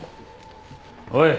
おい！